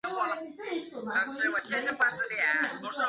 该剧为同一系列第四作。